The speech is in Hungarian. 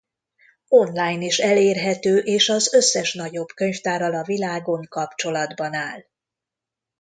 Online is elérhető és az összes nagyobb könyvtárral a világon kapcsolatban áll.